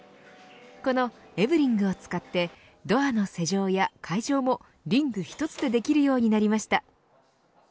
このＥＶＥＲＩＮＧを使ってドアの施錠や開錠もリング１つで出来るようになりました。